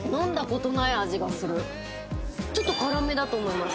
ちょっと辛めだと思います。